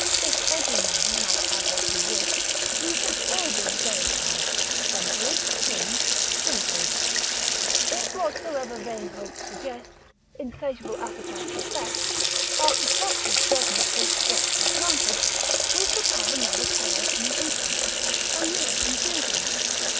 If every man might have what he would, we should all be deified, emperors, kings, princes; if whatsoever vain hope suggests, insatiable appetite affects, our preposterous judgment thinks fit were granted, we should have another chaos in an instant, a mere confusion.